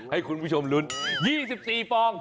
ให้คุณผู้ชมลุ้น๒๔ฟอง